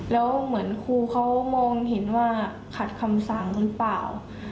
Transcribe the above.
แล้วเหมือนครูเขามองเห็นว่าขัดคำสั่งหรือเปล่า